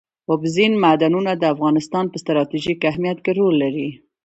اوبزین معدنونه د افغانستان په ستراتیژیک اهمیت کې رول لري.